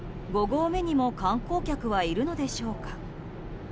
５合目にも観光客はいるのでしょうか。